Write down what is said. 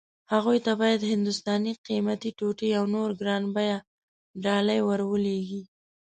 هغوی ته باید هندوستاني قيمتي ټوټې او نورې ګران بيه ډالۍ ور ولېږي.